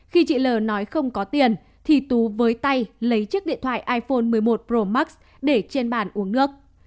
khi chị l nói không có tiền thì tú với tay lấy chiếc điện thoại iphone một mươi một pro max để trên bàn uống nước